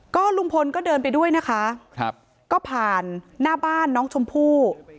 ก็ลุงพลก็เดินไปด้วยนะคะครับก็ผ่านหน้าบ้านน้องชมพู่